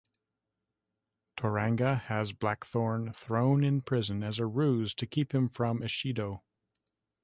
Toranaga has Blackthorne thrown in prison as a ruse to keep him from Ishido.